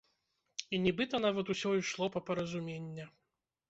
І нібыта нават усё ішло па паразумення.